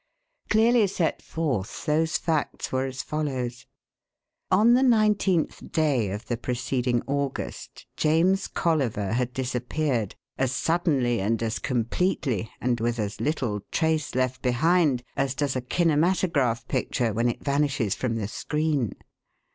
Clearly set forth, those facts were as follows: On the nineteenth day of the preceding August, James Colliver had disappeared, as suddenly and as completely and with as little trace left behind as does a kinematograph picture when it vanishes from the screen.